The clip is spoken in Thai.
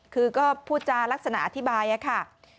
คือก็พูดจารักษณะอธิบายค่ะ